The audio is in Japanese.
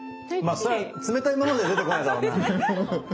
まあそりゃ冷たいまま出てこないだろうな。